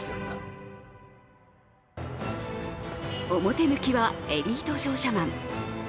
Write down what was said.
表向きはエリート商社マン。